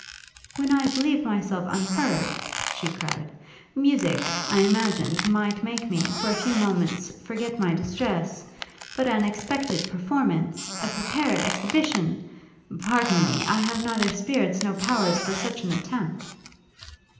'When I believed myself unheard,' she cried, 'musick, I imagined, might make me, for a few moments, forget my distresses: but an expected performance a prepared exhibition! pardon me! I have neither spirits nor powers for such an attempt!'